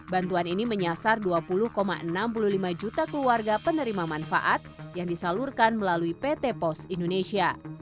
bantuan ini menyasar dua puluh enam puluh lima juta keluarga penerima manfaat yang disalurkan melalui pt pos indonesia